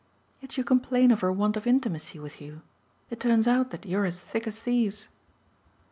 "Yet you complain of her want of intimacy with you! It turns out that you're as thick as thieves."